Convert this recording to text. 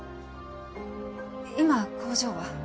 今工場は？